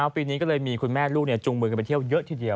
ปีนี้ก็เลยมีคุณแม่ลูกจุงมือกันไปเที่ยวเยอะทีเดียว